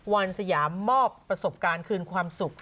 สยามมอบประสบการณ์คืนความสุข